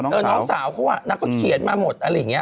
น้องสาวเขาอ่ะนางก็เขียนมาหมดอะไรอย่างนี้